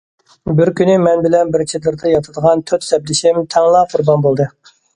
بىر كۈنى مەن بىلەن بىر چېدىردا ياتىدىغان تۆت سەپدىشىم تەڭلا قۇربان بولدى.